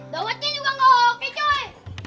dawatnya juga nggak oke cuy